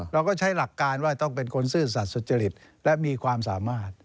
เราก็ใช้หลักการว่าต้องเป็นคนซื่อสัตว์สุจริตและมีความสามารถ